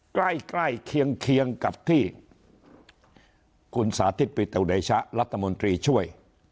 ใกล้เคียงกับที่คุณสาธิตปิตุเดชะรัฐมนตรีช่วย